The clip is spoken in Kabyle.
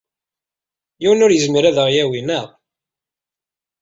Yiwen ur yezmir ad aɣ-yawi, naɣ?